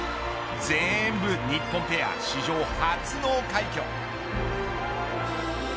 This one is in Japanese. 全部日本ペア史上初の快挙。